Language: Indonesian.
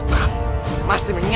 kamu masih menyakumi